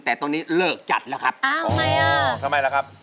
แต่ตอนนี้เลิกจัดแล้วครับอ๋อทำไมล่ะครับอ๋อทำไมล่ะครับ